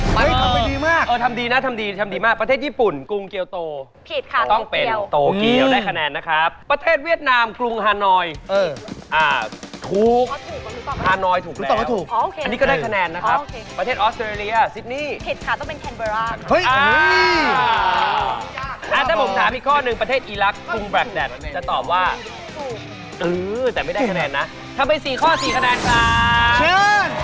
สิทธิ์ที่สุดสิทธิ์ที่สุดสิทธิ์ที่สุดสิทธิ์ที่สุดสิทธิ์ที่สุดสิทธิ์ที่สุดสิทธิ์ที่สุดสิทธิ์ที่สุดสิทธิ์ที่สุดสิทธิ์ที่สุดสิทธิ์ที่สุดสิทธิ์ที่สุดสิทธิ์ที่สุดสิทธิ์ที่สุดสิทธิ์ที่สุดสิทธิ์ที่สุดสิทธิ์ที่สุดสิ